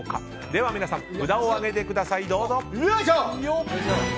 では皆さん、札を上げてください。